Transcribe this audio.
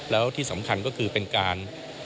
แล้วที่สำคัญก็คือเป็นการ